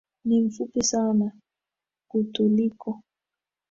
Ni mfupi sana kutuliko